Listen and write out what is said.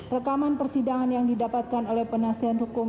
rekaman persidangan yang didapatkan oleh penasihat hukum